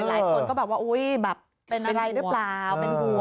หลายคนก็แบบว่าอุ๊ยแบบเป็นอะไรหรือเปล่าเป็นห่วง